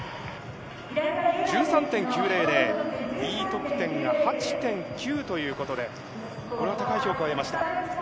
１３．９００、Ｅ得点が８．９ということで、これは高い評価を得ました。